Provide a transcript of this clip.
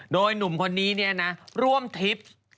โดยหนุ่มคนนี้เนี่ยนะร่วมทริป